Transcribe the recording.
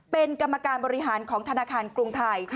เป็นกรรมการบริหารของธนาคารกรุงไทย